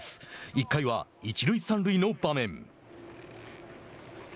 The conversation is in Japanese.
１回は一塁三塁の場面。